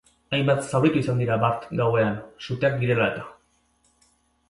Hainbat zauritu izan dira bart gauean, suteak direla eta.